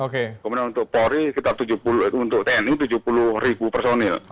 kemudian untuk polri untuk tni tujuh puluh ribu personil